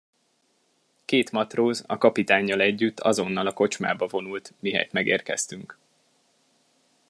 Két matróz, a kapitánnyal együtt azonnal a kocsmába vonult, mihelyt megérkeztünk.